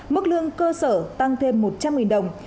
mức lương cơ sở tăng thêm một trăm linh đồng